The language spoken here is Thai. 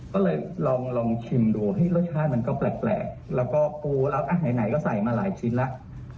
ก็เลยลองชิมดูรสชาติมันก็แปลกแล้วก็ปูแล้วไหนก็ใส่มาหลายชิ้นแล้ว